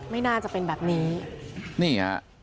ไม่น่าจะเป็นแบบนี้